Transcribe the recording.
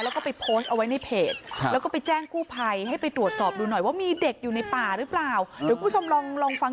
แล้วคือชาวบ้านเขาบันทึกเคล็ปเอาไว้